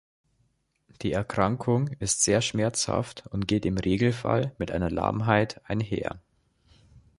Die Erkrankung ist sehr schmerzhaft und geht im Regelfall mit einer Lahmheit einher.